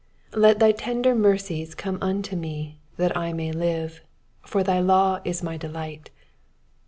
yy Let thy tender mercies come unto me, that I may live : for thy law is my delight.